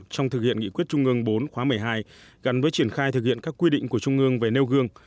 trong thực hiện nghị quyết trung ương bốn khóa một mươi hai gắn với triển khai thực hiện các quy định của trung ương về nêu gương